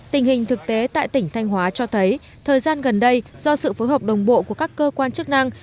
tình hình thực tế tại tỉnh thanh hóa cho thấy thời gian gần đây do sự phối hợp đồng bộ của các cơ quan chức năng